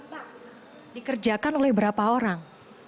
pak dikerjakan oleh berapa orang